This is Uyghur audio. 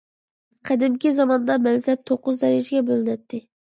قەدىمكى زاماندا، مەنسەپ توققۇز دەرىجىگە بۆلۈنەتتى.